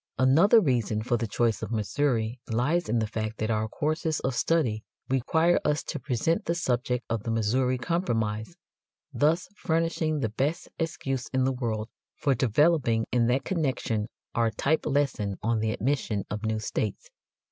Another reason for the choice of Missouri lies in the fact that our courses of study require us to present the subject of the Missouri Compromise, thus furnishing the best excuse in the world for developing in that connection our type lesson on the admission of new states.